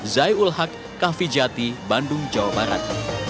zai ul haq kah fijati bandung jawa barat